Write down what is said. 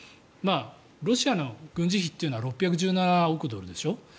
ロシアの軍事費というのは６１７億ドルでしょ。